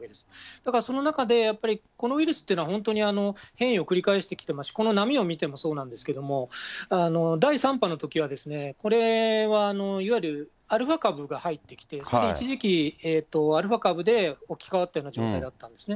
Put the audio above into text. だからその中で、やっぱりこのウイルスっていうのは、本当に変異を繰り返してきてますし、この波を見てもそうなんですけれども、第３波のときは、これはいわゆるアルファ株が入ってきて、一時期、アルファ株で置き換わったような状態だったんですね。